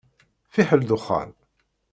Fiḥel dexxan.